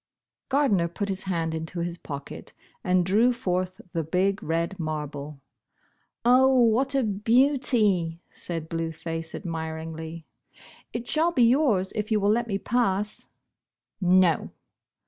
Gardner put his hand into his pocket and drew forth the big red marble. " Oh, what a beauty," said Blue Face ad miringly. " It shall be yours, if you will let me pass." "No."